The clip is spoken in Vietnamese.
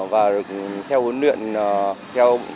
và được theo huấn luyện theo huấn luyện